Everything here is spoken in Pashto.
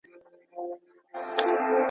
د يوسف عليه السلام هم خوښه وه، چي ښه ژوند ولري.